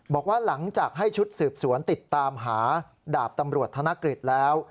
บอกว่าหลังจากให้ชุดสืบสวนติดตามหาดาบตำรวจธนกฤษแล้ว